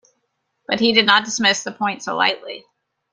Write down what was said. But he did not dismiss the point so lightly.